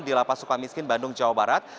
di lapa sukamiskin bandung jawa barat